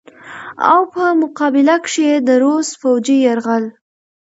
او په مقابله کښې ئې د روس فوجي يرغل